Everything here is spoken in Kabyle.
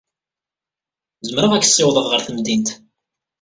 Zemreɣ ad k-ssiwḍeɣ ɣer temdint.